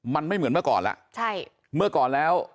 มันไม่เหมือนเมื่อก่อน